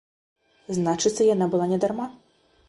Значыцца яна была не дарма.